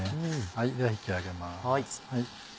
では引き上げます。